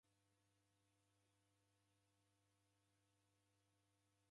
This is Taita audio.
Mkape ofwa ukikufungua mwana wa w'omi.